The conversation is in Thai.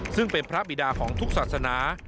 ซึ่งเป็นพระบิดาของทุกศาสนา